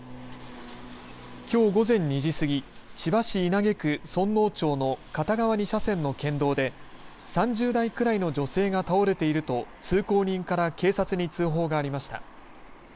きょう午前２時過ぎ千葉市稲毛区園生町の片側２車線の県道で３０代くらいの女性が倒れていると通行人から警察に通報がありました。